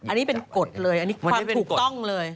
อันนี้เป็นกฎเลยอันนี้ความถูกต้องเลย